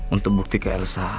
untuk bukti ke elsa